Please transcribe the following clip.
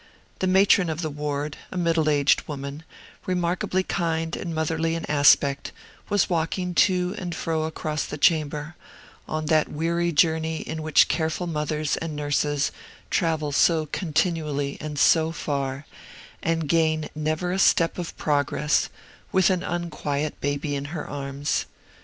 The matron of the ward, a middle aged woman, remarkably kind and motherly in aspect, was walking to and fro across the chamber on that weary journey in which careful mothers and nurses travel so continually and so far, and gain never a step of progress with an unquiet baby in her arms.